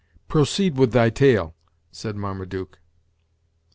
"Proceed with thy tale," said Marmaduke.